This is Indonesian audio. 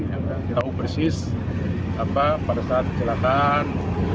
kita harus tahu persis pada saat kecelakaan